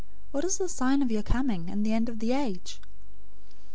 What is the sign of your coming, and of the end of the age?"